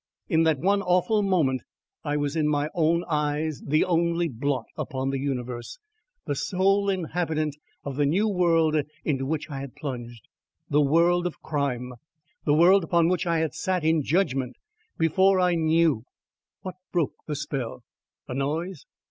In that one awful moment I was in my own eyes the only blot upon the universe the sole inhabitant of the new world into which I had plunged the world of crime the world upon which I had sat in judgment before I knew What broke the spell? A noise?